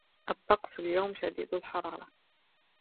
الطقس اليوم شديد الحرارة.